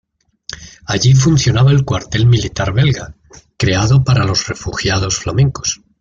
Allí funcionaba el cuartel militar belga, creado para los refugiados flamencos.